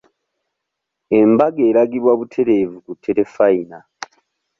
Embaga eragibwa butereevu ku terefayina.